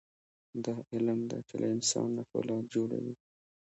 دا علم دی چې له انسان نه فولاد جوړوي.